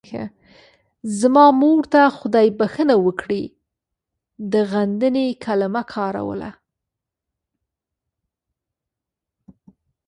زما مور ته خدای بښنه وکړي د غندنې کلمه کاروله.